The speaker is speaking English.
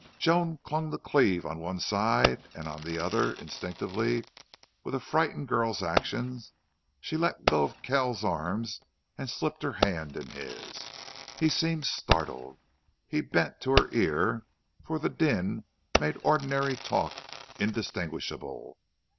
Joan clung to Cleve on one side, and on the other, instinctively with a frightened girl's action, she let go Kells's arm and slipped her hand in his. He seemed startled. He bent to her ear, for the din made ordinary talk indistinguishable.